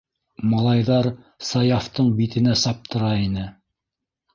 Малайҙар Саяфтың битенә саптыра ине!